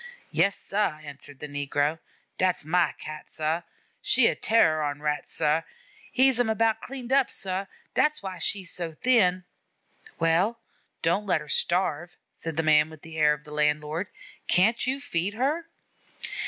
"Yes, sah," answered the negro. "Dat's ma Cat, sah; she's a terror on Rats, sah! hez 'em about cleaned up, sah; dat's why she's so thin." "Well, don't let her starve," said the man with the air of the landlord. "Can't you feed her?